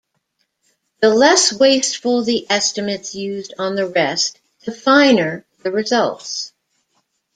The less wasteful the estimates used on the rest, the finer the results.